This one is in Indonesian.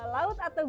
laut atau gunung